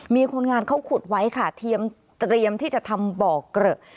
มีคนงานเขาขุดไว้ค่ะเตรียมที่จะทำบ่อเกลอะ